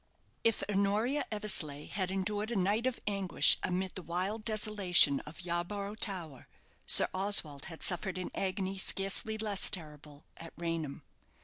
If Honoria Eversleigh had endured a night of anguish amid the wild desolation of Yarborough Tower, Sir Oswald had suffered an agony scarcely less terrible at Raynham.